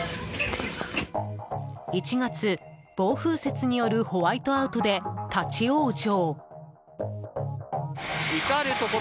１月、暴風雪によるホワイトアウトで立ち往生。